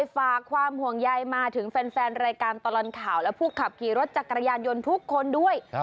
ฝากความห่วงใยมาถึงแฟนรายการตลอดข่าวและผู้ขับขี่รถจักรยานยนต์ทุกคนด้วย